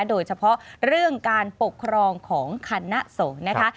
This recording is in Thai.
โดยเฉพาะเรื่องการปกครองของคณะสงฆ์นะคะ